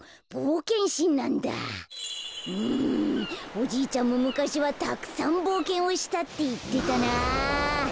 うんおじいちゃんもむかしはたくさんぼうけんをしたっていってたなあ。